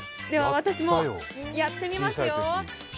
では私もやってみますよ。